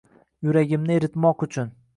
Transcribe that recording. Yuragimni eritmoq uchun